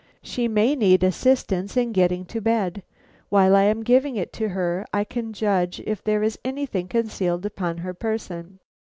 She may need assistance in getting to bed. While I am giving it to her I can judge if there is anything concealed upon her person."